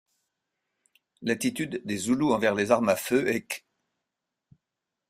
L'attitude des Zoulous envers les armes à feu est qu'.